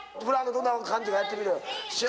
どんな感じかやってみろ」